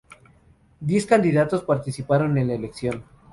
Diez candidatos participaron en la elección.